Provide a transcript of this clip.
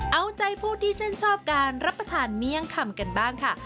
เอาใจผู้ที่ชื่นชอบการรับประทานเมี่ยงคำกันบ้างค่ะ